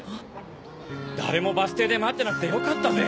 誰もバス停で待ってなくてよかったぜ。